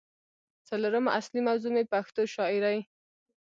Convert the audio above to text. څلورمه اصلي موضوع مې پښتو شاعرۍ